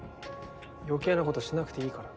余計なことしなくていいから。